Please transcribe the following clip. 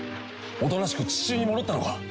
おとなしく地中に戻ったのか？